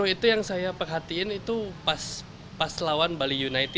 itu yang paling terpenuh